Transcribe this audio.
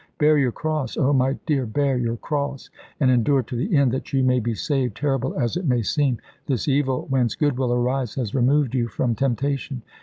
Bear your cross oh, my dear, bear your cross, and endure to the end that you may be saved. Terrible as it may seem, this evil, whence good will arise, has removed you from temptation.